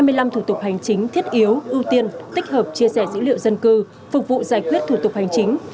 kèm theo đó là danh mục hai mươi năm thủ tục hành chính thiết yếu ưu tiên tích hợp chia sẻ dữ liệu dân cư phục vụ giải quyết thủ tục hành chính